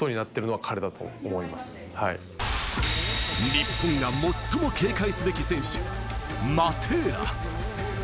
日本が最も警戒すべき選手・マテーラ。